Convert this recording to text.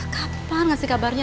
kapan kasih kabarnya